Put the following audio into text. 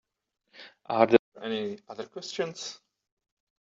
Are there any other questions?